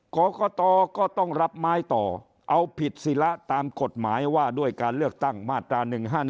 กรกตก็ต้องรับไม้ต่อเอาผิดศิละตามกฎหมายว่าด้วยการเลือกตั้งมาตรา๑๕๑